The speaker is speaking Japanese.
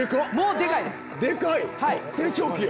でかい成長期や。